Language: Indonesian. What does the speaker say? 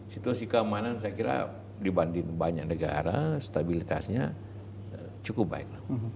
situasi keamanan saya kira dibanding banyak negara stabilitasnya cukup baik